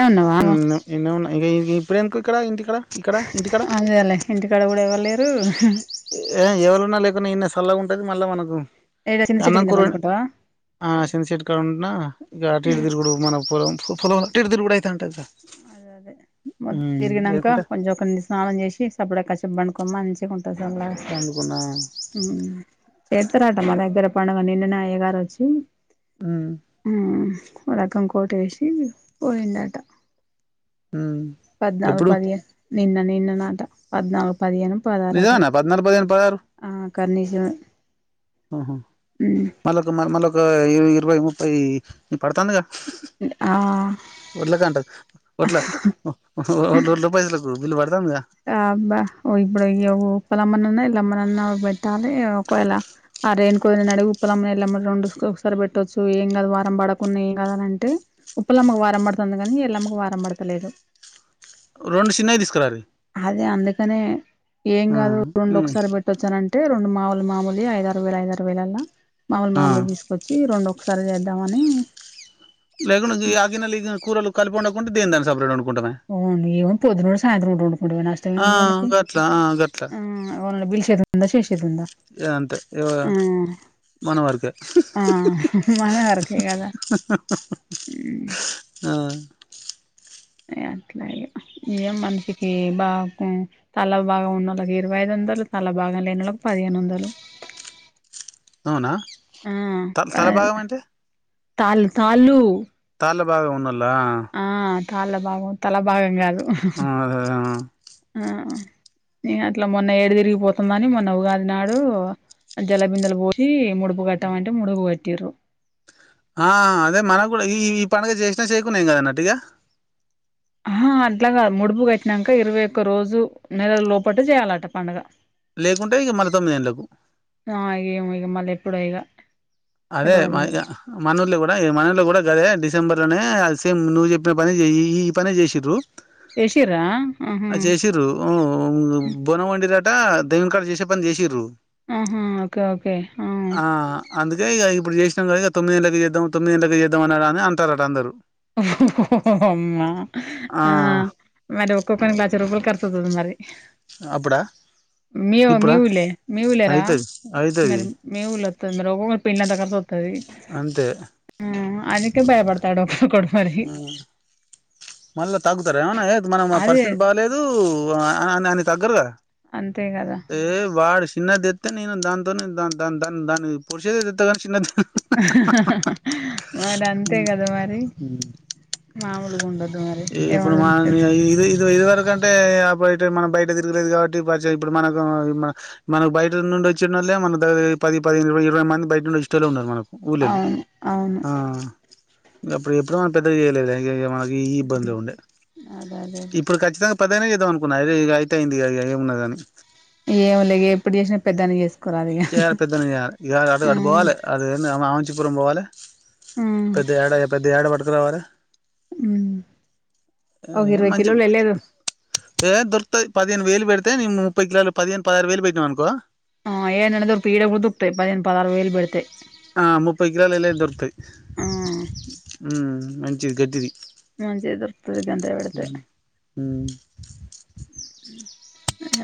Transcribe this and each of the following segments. ఏ ఉన్నావా న్నన్నా నేనేమన్నా ఇ ఇప్పుడెందుకు ఇక్కడ ఇంటికడ ఇక్కడ ఇంటికడ అదేలే ఇంటికాడ కూడా ఎవరు లేరు ఎవరున్నా లేకున్నా ఇన్నే సల్లగా ఉంటది మళ్ళా మనకు ఏడ చిన్న చెట్టు అన్నం కింద కూర పండుకుంటావా ఆ సింత సెట్ కాడున్న ఇక అటు ఇటు తిరుగుడు మన పొలం పొలాలుంటే అటు, ఇటు తిరుగుడు అయితంటదిలే అదే అదే తిరిగినంక లేకుంటే కొంచెం ఒకరి స్నానం చేసి [unintelligible] [unintelligible] మంచిగుంటది పండుకున్నా [unintelligible] ఉత్తరాటం మా దగ్గర పండగ నిన్ననే అయగారొచ్చి మ్మ్ ఓ రకం కోటేసీ పోయిండట మ్మ్ పద్నాలుగు ఎప్పుడు పదిహేను నిన్న నిన్న నాతో పద్నాల్ పదిహెన్, పదారట నిజమేనా పద్నాలుగు, పదిహేను, ఆ [unintelligible] ఓహో మల్లొక మ మళ్ళక ఇరవై, ముప్పై పడతాండు కదా ఆ ఉర్లగడ్డ వట్ల [unintelligible] ఆబ్బా ఇప్పుడు పనమ్మనన్న ఇంట్లో అమనన్న పెట్టాలి ఒకవేళ ఆ రేన్ కోదిని అడిగి ఉప్పులమ్మని ఎళ్ళమ్మ రెండు ఒకసారి పెట్టొచ్చు ఏం కాదు వారం పడకుండా ఏం కాదనంటే ఉప్పుల అమ్మకు వారం పడుతుంది కానీ ఎల్లమ్మకు వారం పడతలేదు రొండు సిన్నవి తీసుకురారి అదే అందుకనే ఏం కాదు హ్మ్. రెండు హ్మ్. ఒకసారి పెట్టొచ్చానంటే రెండు మ మాములు మామూలుది ఐదారు వేలు ఐదారు వేలలా మామూలు ఆ. మామలు తీసుకోచ్చి రెండు ఒకసారి రానీ [unintelligible] ఆ గిన్నెలు ఈ గిన్నెలు కూరలు కలిపివండకుంటే దేని కది సపరేటు వండు [unintelligible] పొద్దున, సాయంత్రం పూట వండుకుంటాం ఆ నష్టమేముంది మనకు గట్లా ఆ గట్లా వాళ్ళు బిషెసుందా, చేశేదుందా ఇగ అంతే ఇగ మన వరకే ఆ మరి అంతే కదా ఆ ఏ అట్లాగే ఇగ మనిషికి బాపు తల భాగం ఉన్నోళ్లకి ఇరవై ఐదు వందలు తల భాగం లేనోళ్ళకి పదిహేను వందలు అవునా త తలభాగం అంటే తాల్ కాళ్లు తల భాగం ఉన్నోళ్ల తాళ్ళ భాగం తల భాగం కాదు ఆ అదే ఆ ఇగ అట్లా మొన్న ఏడు తిరిగిపోతుందని మొన్న ఉగాది నాడు జలబిందలు పోసి ముడుపు కట్టమంటే ముడుపు కట్టిర్రు ఆ అదే మనకు కూడా ఈ ఈ పండుగ చేసినా చేయకున్నా ఏం కాదన్నట్టుగా అహ అట్ల కాదు ముడుపు కట్టిినాక ఇరవై ఒక్క రోజు నెల లోపటు చేయాలట పండుగ లేకుంటే ఇగ మళ్ళ తొమ్మిదేండ్లకు ఆ ఏమో ఇగ మళ్ళ ఎప్పుడో ఇగ అదే తెలవదు మ ఇగ మనఊర్లో కూడా ఈ మనర్లో కూడా కదే డిసెంబర్ లోనే ఏ సేమ్ నువ్వు చెప్పిన పనే చే ఈ పనే చేసిండ్రు చేసిర్రా ఆ ఆహా చేసిండ్రు బోనం వండిరా దేవునికాడ చేసే పని చేసిర్రు ఆహా ఓకే ఓకే ఆ అందుకనే ఇగ ఇప్పుడు చేసినామ్ కదా ఇగ తొమ్మిది గంటలకి తొమ్మిది గంటలకి చేద్దాం అని అంటారట అందరు అమ్మా ఆ మరి ఒక్క పని నచ్చినప్పుడు కర్సు [unintelligible] మరి అప్పుడా మీ మీ ఇప్పుడా ఒల్లె మీ ఊళ్ళెరా అయితది అయితది మరి మీ ఊళ్ళో రోగం పిల్లంతా కర్సొత్తది అంతే అందుకే భయపడతాండం మ్మ్ మళ్ళా తగ్గుతారా ఏమన్నా ఏ మన అదే పరిస్థితి బాలేదు అని తగ్గరుగదా అంతే గదా! ఏ వాడు సిన్నా దీత్తే దాంతోనే దన్ దన్ దన్ పషతే మరి అంతే ఉమ్ గద మరి మామొలుగుండదు ఏ ఇబ్బుడు మన ఇది ఇది ఇది వరకంటే మనం బయట తిరగలేదు కాబట్టి ఇప్పుడు మనం మనకు బయట నుండి వచ్చిన వాల్లే మన దగ్గర పది పది ఇరవై మంది బయటినుండి వొచ్చెటొల్లే ఉన్నారు మనకు కూళొళ్ళు అవును. అవును. ఆ ఇంక అప్పుడు ఎప్పుడూ మనం పెద్దగ చేయలేదు మనకి ఈ ఇబ్బందుగ ఉండే అదే అదే అదే. ఇప్పుడు ఖచ్చితంగా పద్దన్నే చేద్దామనుకున్నా ఇక అయితే అయింది ఇక ఏమున్న అని ఏం లే ఇగ ఎప్పుడు చేసినా పెద్దానికి చేస్ చేయాలే పెద్దోనికి చేయెలే ఇడ గాదం అటు పోవాలె అది ఏంది ఆమంచిపురం బోవాలే ఆ! పెద్ద యాడా పెద్ద యాడ పట్టుకురావారలే హ్మ్. ఒక ఏ ఇరవై మంచి కిలోలు వెళ్లేదు ఏ దొరుక్తాయ్ పదిహేను వేలు పెడితే నీకు ముప్పై కిలోలు పదిహేను పదారు వేలు పెట్టినావ్ అనుకో ఆ ఏడైన దొరుకుతాయ్ ఈడ. గుడా దొరుకుతాయ్ పదేహేను పద ఆరు వేలూ బెడితె ఆ ముప్పై కిలోలు ఎళ్ళేటివి దొరుకుతాయి ఆ ఉమ్ మంచిది గెట్టిది మంచిగా దొరుకుతది గంత ఉమ్ ఊమ్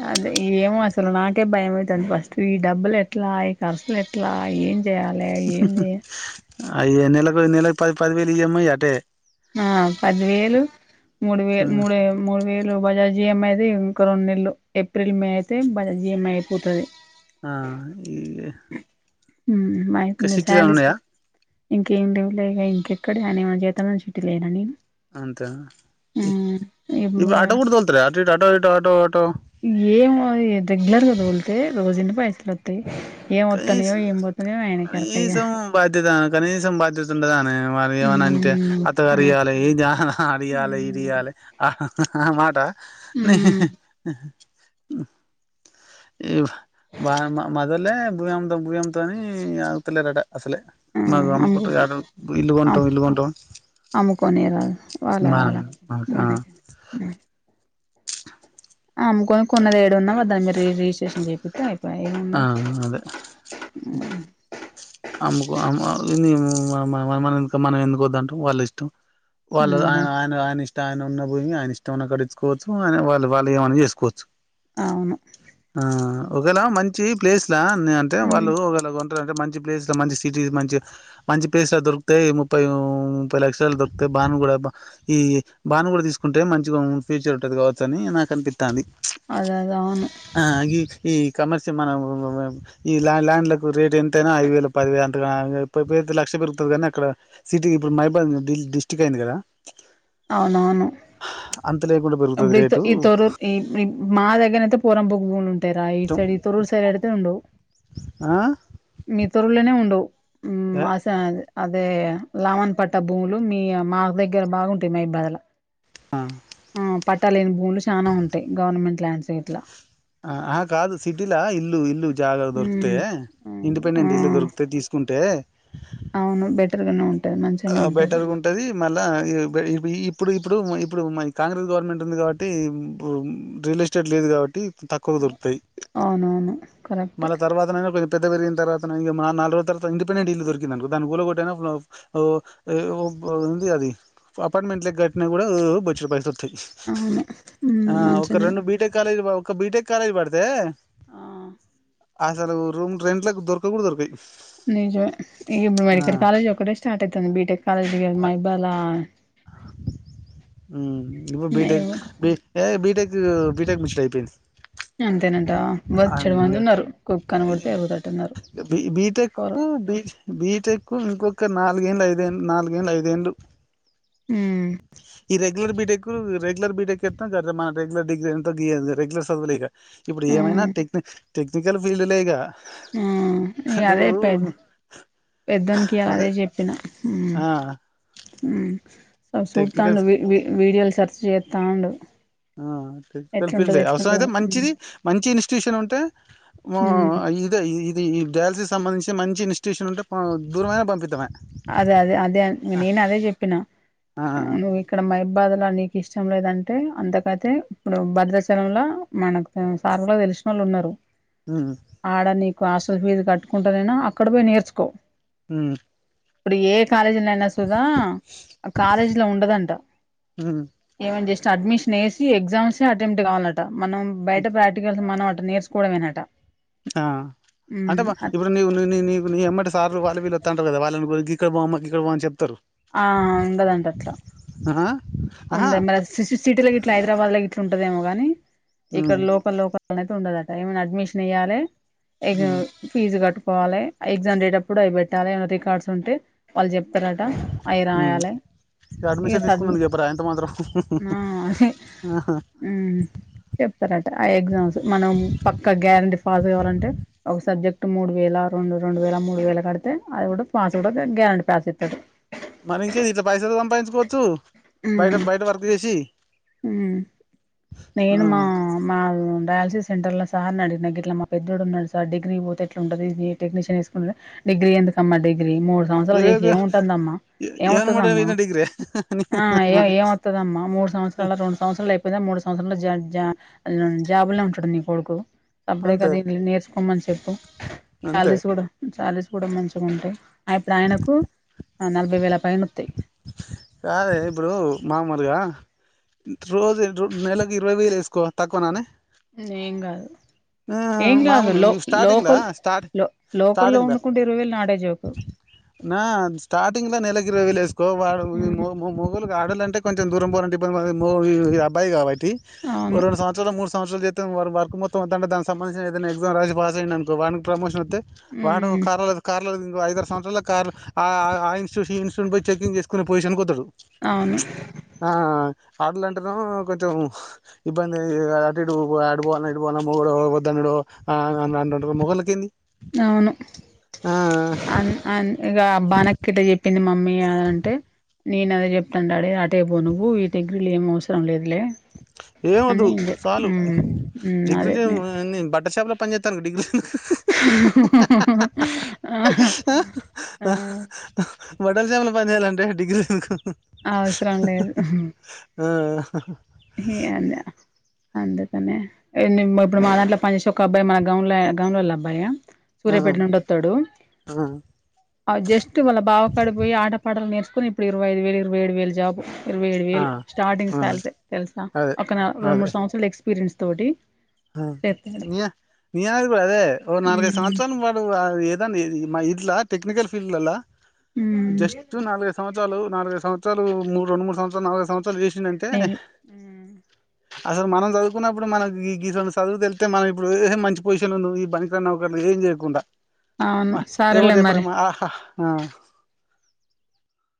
అ అదే ఏమో అసలు నాకే భయంమయతాంది ఫస్టు ఈ డబ్బులు ఎట్లా కర్సులె ఎట్లా ఏం చేయాలి ఏంది అయ్యో నెలకు నెలకు పది పదివేలుయియమ్మ అటే ఆ పది వేలు మూడు వేలు మూడు మూడు వేలు లు బజాజ్ ఈఎమ్ ది జిఎం ఇంకో రెండు నెలలు ఏప్రిల్ మే అయితే బజాజ్ ఈఎమ్ ఐఅయిపోతది ఆ ఈఏ బ కొంచెం శాలరీస్ ఇంకేం లేవు లేక ఇంకెక్కడ అని మన చేత నుంచి త్తి లేనా నేను అంతేన ఇబ్బు నేను ఆటో గూడ తోల్తడ అటు ఇటు ఆటో ఇటొ ఆటో ఆటో ఏమో రెగ్లర్గా దోలితే రోజు ఇన్ని పైసలొ కనీస్ ఆయనకి ఎరక ఇగ కనీసం బాధ్యత కనీసం బాధ్యతుండదామే మనమేమన్న అంటె మ్మ్ అత్త ఆ గారియాలె ఏంది ఆహహ అదియ్యొలే మ్మ్ ఇదియ్యా లే ఆహ మాట మ్మ్ ఈవా వానెమ్మ మాదొల్లే భూమి అమ్ముతాం భూమి అమ్ముతాం అని ఆగుతలేరడ అసలె ఆ అమ్ము మాది ఇల్లు కొంటం ఇల్ కొంటం అమ్ముకోనీరు వాళ్ళే వాళ్ళ ఆ మడి అమ్ముకొని కొన్నది ఏడున్నా దాన్ని మీరు రిజిస్ట్రేషన్ చెపిత్తే అయి ఆహ అదే అమ్మకో అమ్మ అనిందేమొ మనం మనం ఎందుకొ ద్దట్టం వాళ్ళిష్టం వాళ్ళు ఆయన మనం ఆయన ఆయన ఇష్ట ఆయన ఉన్న భూమి ఆయన ఇష్టం ఉన్నకాడ ఇచ్ [unintelligible] వాళ్ళు వాళ్ళు ఏమైనా చేసుకోచ్చు అవును ఒగేళ మంచి ప్లేస్ లా అని అంటే వాళ్ళు మ్మ్ ఒగెళ అంటే మంచి ప్లేస్ మంచి సిటీ మంచి మంచి ప్లేస్లు దొకుతాయి ముప్పై ముప్పై లక్షలు దొరుకుతాయ్ బాను గూడా అబ్బా ఈ బాను గూడా దీసుకుంటే మంచిగా ఫ్యూచర్ ఉంటది కావొచ్చు అని నాకు అనిపి మాట అని అదే అదే అవును ఆ ఇ ఈ కమర్ష్ ఇచ్చి మనము ఈ ల్యాండ్ ల్యాండ్లకు రేట్ ఎంతైనా ఐదు వేలు పదివే అంత పొయ్యి పొయ్యి లక్ష పెరుగుతది అందుకని అక్కడ సిటీ ఇప్పుడు మైబా డిస్టిక్ట్ అయింది కదా అవునవును అంత లేకుండా ఇప్పుడు పెరుగుతది బిత్ రేటు ఈ తోరూ ఈ మా దగ్గనైతే పోరంబోకు బూముంది తెరా ఈ మొత్తం సైడ్ ఈ తూరుూ సైడ్ అయితే ఉండవు మీతురులనే ఉండవు అస అదే లామన్ పట్ట భూములు మీ మా దగ్గర బాగుం తినే బదలు అ పట్టలేని భూములు చానా ఉంటాయి గవర్నమెంట్ ల్యాండ్స్ ఇట్ల ఆ అ కాదు సిటీలా ఇల్లు ఇల్లు జాగ దొరతే మ్మ్ ఆ ఇండిపెండెంట్ ఇల్లు దొరికుతే తీసుకుంటే అవును బెటర్ గను ఆ బెటర్గా ఉంటది మళ్ళా ఇ బె ఈ ఇప్పుడు ఇప్పుడు ఇప్పుడు మ కాంగ్రెస్ గవర్నమెంట్ ఉంది కాబట్టి పు రియల్ ఎస్టేట్ లేదు కాబట్టి తక్కువ దొలుకుతు తయి అవునవును కరెక్టే మళ్ళ తర్వాతనన కొ పెద్ద పెరిన తర్వాతక నాలుగో తర్వాత ఇంపెంట్ ఇల్లు దొరికిందనుకో దాని కూల గోట్టయినా కూడా అ ఒ ఏ ఒ అబ్ ఉంది అది అపార్ట్మెంట్ ల కట్టినా కూడా ఓ బొచ్చడ్ పైసలత అవును మ్మ్ ఆ ఒక మంచినే రెండు బీటెక్ కాలేజ్ లు ఒక బీటెక్ కాలేజ్ పడితే ఆ అసలు రూమ్ రెంట్లోలకు దొరక కూడా దొరకాయి నిజ ఇ ఇప్పుడు మెడికల్ కాలేజ్ ఒక్కటే స్టార్ట్ అయితంది. బిటెక్ కాలేజ్ ఇగ మైబాలా హ్మ్ ఇప్పుడు BTech B A BTech BTech [unintelligible] అయిపోయింది. అంతేనంటవా బొచ్చెడు అంగ మంది ఉన్నారు. కుక్కను కొడితే ఎరుగుతట్టున్నరు. ఇగ బి బీటెక్కు బీ బీటెక్ ఇంకొ ఇంక నాలుగేల ఐదుళ్ళు నాలుగేల ఐదేళ్ళు మ్మ్ ఇరె ఇది కూడ బిటేక్, రెగ్యూలార్ బిటేక్, మన రెగ్యూలార్ డిగ్రీ, రెగ్యూలార్ చదివలేక ఇప్పుడు ఏమైనా నా మ్మ్ టెక్ని టెక్నికల్ ఫీల్డ్లే ఇగ ఆ ఇగా అదే నువ్వు పెద్ పెద్దోనికి ఇయ్యాల అదే చెప్ చెప్పిన ఊ ఆ ఊ వాడు టెక్నికల్ చూతాండు వి వి వీడియోలు సర్చ్ చేస్తాండు. ఆ టెక్నికల్ ఫిల్డ్ ఏ అవసరం అయితే మంచిది మంచి ఇన్స్టిట్యూషన్ ఉంటే మా మ్ ఇదే ఇ ఇది ఈ డయాలసిస్ సంబంధించి మంచి ఇన్స్టిట్యూషన్ ఉంటే ప దూరమైన పంపితమే అదే అదే అదే నేను అదే చెప్పిన ఆ నువ్వు ఇక్కడ మైబాద్ ల నీకు ఇష్టం లేదంటే, అంతకైతే ఇప్పుడు భద్రాచలం ల మనకు సార్ నాక్ తెలిసినోళ్ళు ఉన్నారు. ఉమ్ ఆడ నీకు హాస్టల్ ఫీజ్ కట్టుకుంటానేనా అక్కడ పోయి నేర్చుకో హ్మ్ ఇప్పుడు ఏడ్ కాలేజ్ ఉందన్న సూదా ఆ కాలేజీ లో ఉండదంట ఉమ్ ఏమైనా జస్ చడ్మిషన్ ఏసి ఎగ్జామ్స్ అట్టెంప్ట్ కావాలట మనం బయట ప్రాక్టికల్స్ మనం అట్ నేర్చుకోవడమేనట ఆ అంటే మా ఉమ్ ఇప్పుడు నీవ్ నీ నీ నీకు నీ ఎమ్మటి సార్లు వాళ్ళు వీళ్ళుత్తాంటారు కదా వాళ్ళని కూడా గీ ఇకడబామా ఇక్కడబాని చెప్తారు. ఆ ఉండదంట అట్లా ఆ ఆహా ఉంద మరి సి సిటీల ఇట్లా హైదరాబాద్ ల ఇట్లా ఉంటదేమో గాని ఇక్కడ ఉమ్ లోకల్ లోకల్ అయితే ఉండదట ఏమైనా అడ్మిషన్ ఇయాలి ఎఫు ఉమ్ ఫీజు కట్టు పోవాలే ఎగ్జామ్ డేట్ అప్పుడు అవి పెట్టాలి. రికార్డ్స్ ఉంటే వాళ్ళు చెప్ ఇత్తరాట అవి ఉమ్ రాయాలి ఇక ఇగ అడ్మిషన్ సడ్మి తీసుకున్నందుకు చెప్పరా ఎంత మాత్రం హ్మ్ చెప్తారట ఆ ఎగ్జామ్స్ మనం పక్కా గ్యారెంటీ పాస్ కావాలంటే ఒక సబ్జెక్ట్ ఇట్ మూడు వేల, రెండు రెండు వేల మూడు వేల కడితే అది కూడా పాస్ కూడా గ్యారంటీ పాస్ ఏతడు మరి ఇంకేది ఇట్లా పైసల్ సంపాదించుకోవచ్చు. ఉమ్ బయట బయట వర్క్ చేసి ఉమ్ ఆ నేను మా మా డయాల్సిసిస్ సెంటర్ ల సార్ అడిగిన్ ఇట్లా మా పెద్దోడు ఉన్నడు సార్ డిగ్రీ పోతే ఎట్ల ఉంటది గీ టెక్నీషిన్ తీసుకుంటనే డిగ్రీ ఎందుకమ్మా, డిగ్రీ మూడు ఏ సంవత్సరాలు చేసి ఏముంటుందమ్మా, ఏమవ్తుదమ్మా ఏమనమాట డిగ్రీ ఆ ఏ ఏమవుతదమ్మా మూడు సంవత్సర, రెండు సంవత్సరాలు అయిపోయితే మూడు సంవత్సర మ జాయిన్ అ జాబుల్లో ఉంటాడు. మీ కొడుకు సప్పుడేక అంతే దీన్ని నేర్చుకోమని చెప్పు అంతే సాలరీస్ కూడా శాలరీస్ కూడా మంచిగా ఉంటాయి. ఇప్పుడు ఆయనకు నలభై వేల పైన వత్తయ్. కాదే ఇప్పుడు మామలుగా రోజు నెలకి ఇరవై వేలు వేసుకో తక్కువనానే ఏం కాదు ఊ ఏం కాదు మామూలు లో స్టార్టింగ్ లా లోకల్ స్టార్ లో లోకల్లో స్టార్టింగ్ లా వండుకుంటే ఇరవై వేలు నాటే జోకు నా స్టార్టింగ్ లో నెలకు ఇరవై వేలు వేసుకో వాడు మొ మొగోళ్ళు ఆడల్లో కొంచెం దూరం పోవాలంటే ఇబ్బంది ఈ అబ్బాయి కాబట్టీ అవును రెండు సంవత్సరాల మూడో సంవత్సరాలు చేత్తే వర్క్ మొత్తం వత్తాంటే దానికి, సంబధించిన ఏదైనా ఎగ్జామ్ రాసి పాస్ అయిండు అనుకో వానికి ప్రమోషన్ వాడు కారాల క ఇంకా ఐద సంవత్సాల క ఆ ఇస్టిట్యూ ఈ ఇస్టిట్యూట్యి చెకింగ్ చేసుకునే పొజిషన్ వస్తడు. అవును ఆటలు అంటే కొంచెం ఇబ్బంది, అటు ఇటు పోవాలని పోో వద్దదున్నో రండ మొగల కింది అవును అ అ ఇగా బానక్కఇట చెప్పింది మమ్మీ అ అంటే నేన అదె చెప్తాను అడే అటే పో నువ్వు ఇటిం ఇలేం అవసరం లేదులే అని ఎంవద్దు నేను చె చాలు మ్మ్ మ్మ్ అదే డిగ్రీలు నేను బట్టర్ షాప్లో పనిచేస్తాను డిగ్రీ ఆహా ఆ బట్టల షాపులో పని చేయాలంటే డిగ్రీలు ఎందుకు ఆ అవసరం లేదు ఏ అందా అందుకనే ఇప్పుడు మా దాంట్లో పనిచేసి ఒక అబ్బాయి మన గౌ గౌఉంలోల అబ్బాయా ఆ సూర్యపేట నుండి వస్తాడు, అ జస్ట్ వాళ్ళ బావకాడ పోయి ఆట పాటలు నేర్చ కొ ఇప్పు ఇరవై ఐదు వేలు ఇరవై ఏడువేలు జాబ్ ఇరవై ఏడు ఆ వేలు స్టార్టింగ్ ఆ శాలరీ తెలుసా అదే ఒక్క నా రెండు మూడు సంవత్సరాల ఎక్స్పీరియన్స్ తోటి అ చేస్తాడు నేను అనేది కూడ అదే నాలుకైదు ఉమ్ సంవత్సరం పాడు ఏద ఇట్లా టెక్నికల్ ఫీల్ అలా ఉమ్ జస్ట్టు నాలుగు ఐదు సంవత్స సంవత్సలు నాలుఐదు సంవత్సరాలు మూడు రెండు మూడు సంవత్సరాలు నాలుఐదు సంవత్సరాలు చేసిినంటే, నేను ఉమ్, అసలు మనం చదువుకున్నప్పుడు మనకి ఈ చదువు తెళ్తే మనం ఇప్పుడు ఏం మంచి పొజిషన్ ఉందుము, ఈ పనికిరాని నౌకార్లు ఏం చేయకుండా, అవును ఎవరి సరేలే చెప్పుడ మరి ఆహా